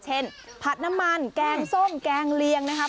ผัดน้ำมันแกงส้มแกงเลียงนะครับ